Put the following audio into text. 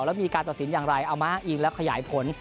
แล้วมีการตัดสินอย่างไรเอามาอ้างอิงแล้วขยายผล